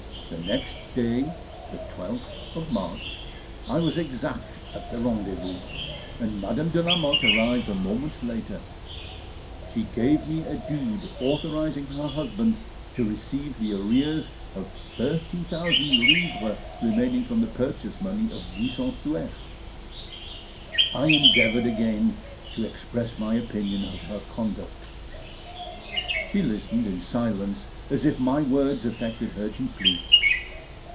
The next day, the 12th, of March, I was exact at the rendezvous, and Madame de Lamotte arrived a moment later. She gave me a deed, authorising her husband to receive the arrears of thirty thousand livres remaining from the purchase money of Buisson Souef. I endeavoured again to express my opinion of her conduct; she listened in silence, as if my words affected her deeply.